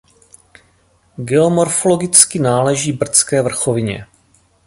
Geomorfologicky náleží Brdské vrchovině.